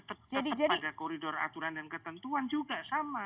tetap pada koridor aturan dan ketentuan juga sama